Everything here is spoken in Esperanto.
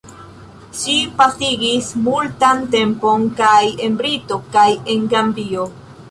Ŝi pasigis multan tempon kaj en Britio kaj en Gambio.